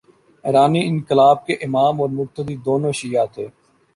ایرانی انقلاب کے امام اور مقتدی، دونوں شیعہ تھے۔